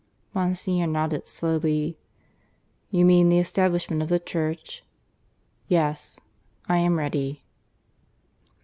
Monsignor nodded slowly. "You mean the Establishment of the Church? ... Yes; I am ready."